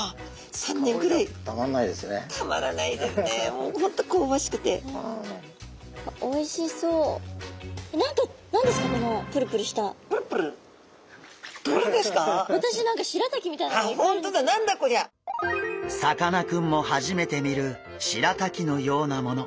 さかなクンも初めて見るしらたきのようなもの。